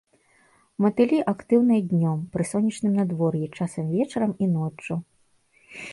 Матылі актыўныя днём, пры сонечным надвор'і, часам вечарам і ноччу.